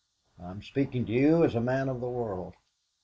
I'm speaking to you as a man of the world."